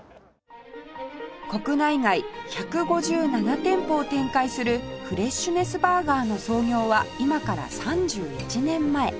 国内外１５７店舗を展開するフレッシュネスバーガーの創業は今から３１年前